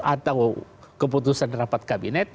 atau keputusan rapat kabinet